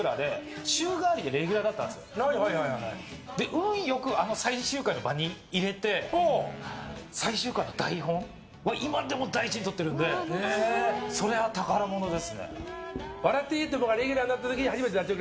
運良く、最終回の場にいれて最終回の台本は今でも大事にとっているのでそれは宝物ですね。